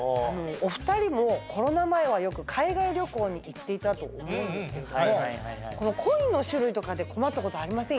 お２人もコロナ前はよく海外旅行に行っていたと思うんですけれどもコインの種類とかで困ったことありませんか？